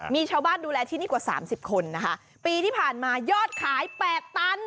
มีชาวบ้านดูแลที่นี่กว่าสามสิบคนนะคะปีที่ผ่านมายอดขายแปดตัน